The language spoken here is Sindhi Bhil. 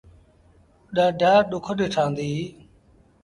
ڏآڍآ ڏُک ڏٺآنديٚ۔